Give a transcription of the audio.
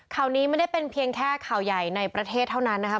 นี้ไม่ได้เป็นเพียงแค่ข่าวใหญ่ในประเทศเท่านั้นนะครับ